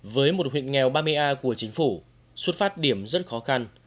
với một huyện nghèo ba mươi a của chính phủ xuất phát điểm rất khó khăn